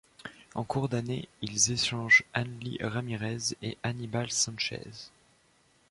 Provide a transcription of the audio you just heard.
En cours d'année, ils échangent Hanley Ramirez et Aníbal Sánchez.